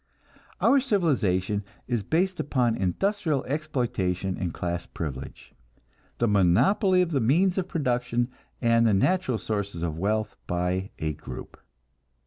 Our civilization is based upon industrial exploitation and class privilege, the monopoly of the means of production and the natural sources of wealth by a group.